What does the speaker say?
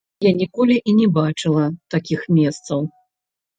Я ніколі і не бачыла такіх месцаў.